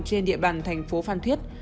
trên địa bàn thành phố phan thuyết